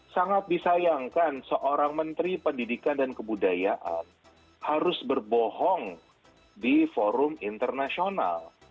sangat disayangkan seorang menteri pendidikan dan kebudayaan harus berbohong di forum internasional